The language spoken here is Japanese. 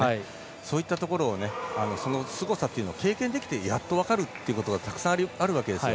そういったところをそのすごさっていうのは経験できてやっと分かるというのがたくさんあるわけですよ。